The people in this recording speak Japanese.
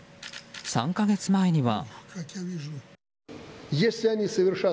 ３か月前には。